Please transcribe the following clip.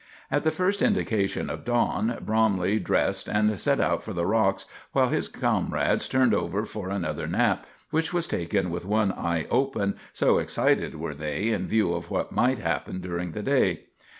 At the first indication of dawn Bromley dressed and set out for the rocks, while his comrades turned over for another nap, which was taken with one eye open, so excited were they in view of what might happen during the day.